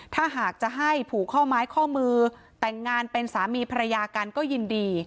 ถ้าหากจะให้ผูกข้อไม้ข้อมือแต่งงานเป็นสามีภรรยากันก็ยินดี